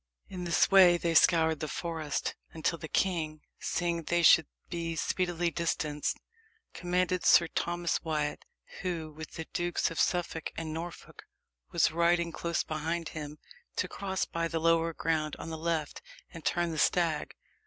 In this way they scoured the forest, until the king, seeing they should be speedily distanced, commanded Sir Thomas Wyat, who, with the Dukes of Suffolk and Norfolk, was riding close behind him, to cross by the lower ground on the left, and turn the stag.